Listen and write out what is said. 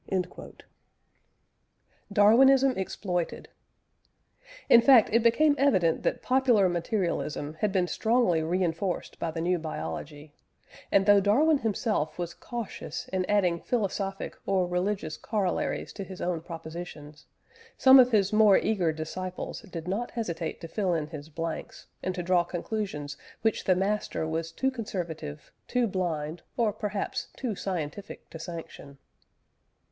" DARWINISM EXPLOITED. In fact, it became evident that popular materialism had been strongly reinforced by the new biology; and though Darwin himself was cautious in adding philosophic or religious corollaries to his own propositions, some of his more eager disciples did not hesitate to fill in his blanks, and to draw conclusions which the master was too conservative, too blind, or perhaps too scientific to sanction.